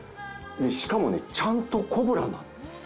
しかもねちゃんとコブラなんですよ。